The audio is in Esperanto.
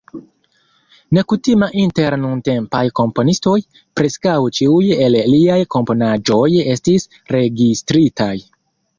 Nekutima inter nuntempaj komponistoj, preskaŭ ĉiuj el liaj komponaĵoj estis registritaj.